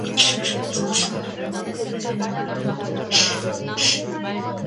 뺨따귀나 한 대 넙축하니 얻어맞기가 십상이지요.